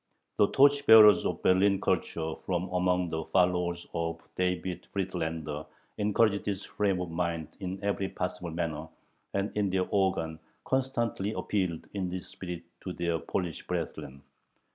The torch bearers of Berlin culture from among the followers of David Friedländer encouraged this frame of mind in every possible manner, and in their organ constantly appealed in this spirit to their Polish brethren.